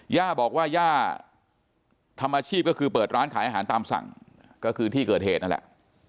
ย่าบอกว่าย่าทำอาชีพก็คือเปิดร้านขายอาหารตามสั่งก็คือที่เกิดเหตุนั่นแหละ